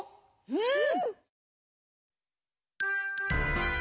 うん。